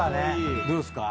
どうですか？